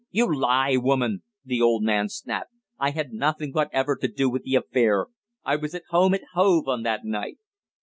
"You lie, woman!" the old man snapped. "I had nothing whatever to do with the affair! I was at home at Hove on that night."